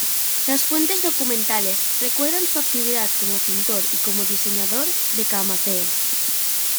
Las fuentes documentales recuerdan su actividad como pintor y como diseñador de camafeos.